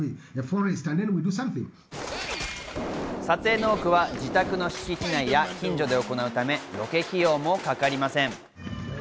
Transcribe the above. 撮影の多くは自宅の敷地内や近所で行うためロケ費用もかかりません。